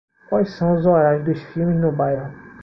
Quais são os horários dos filmes no bairro?